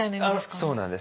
そうなんです。